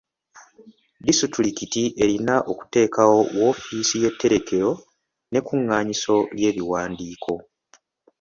Disitulikiti erina okuteekawo woofiisi y'etterekero n'ekkunganyizo ly'ebiwandiiko.